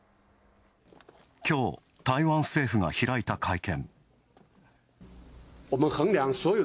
きょう、台湾政府が開いた会見。